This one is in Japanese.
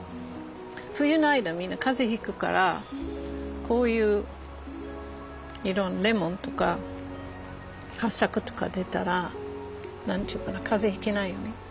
冬の間みんな風邪ひくからこういうレモンとかはっさくとか出たら何て言うかな風邪ひかないよね。